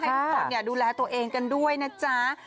ทุกคนดูแลตัวเองกันด้วยนะจ๊ะ